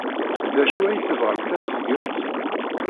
D acu ay tebɣamt ad t-tgemt?